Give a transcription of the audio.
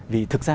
vì thực ra